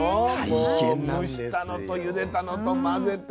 もう蒸したのとゆでたのと混ぜて。